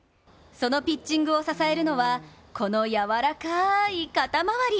そのピッチングを支えるのはこのやわらかい肩まわり！